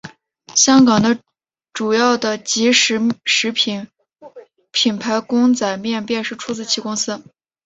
香港主要的即食面品牌公仔面便是出自其公司。